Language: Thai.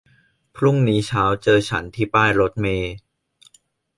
พรุ่งนี้เช้าเจอฉันที่ป้ายรถเมล์